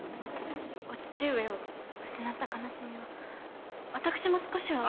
お父上を失った悲しみは私も少しは。